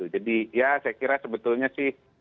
jadi ya saya kira sebetulnya sih